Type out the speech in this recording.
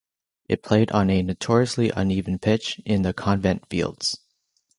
It played on a notoriously uneven pitch in the 'Convent Fields'.